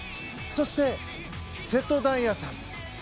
そして、瀬戸大也さん。